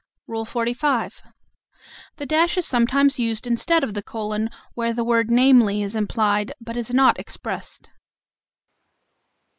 XLV. The dash is sometimes used instead of the colon, where the word "namely" is implied, but is not expressed.